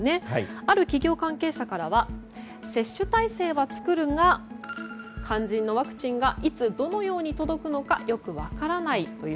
ある企業関係者からは接種体制は作るが肝心のワクチンがいつ、どのように届くのかよく分からないという。